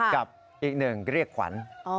กับอีกหนึ่งเรียกขวัญ